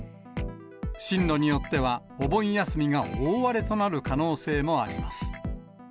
進路によってはお盆休みが大荒れとなる可能性もあります。